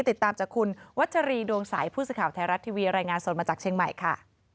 ติดตามจากคุณวัชรีดวงใสผู้สื่อข่าวไทยรัฐทีวีรายงานสดมาจากเชียงใหม่ค่ะ